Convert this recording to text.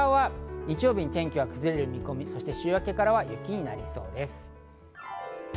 日本海側は日曜日に天気が崩れる見込みで週明けからは雪になりそうです。